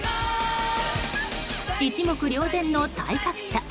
一目瞭然の体格差。